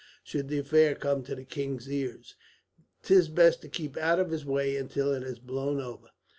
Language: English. Should the affair come to the king's ears, 'tis best to keep out of his way until it has blown over.